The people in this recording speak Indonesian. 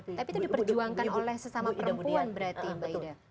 tapi itu diperjuangkan oleh sesama perempuan berarti mbak ida